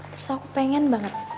terus aku pengen banget